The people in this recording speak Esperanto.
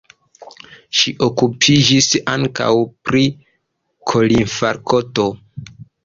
Ŝi okupiĝis ankaŭ pri korinfarkto.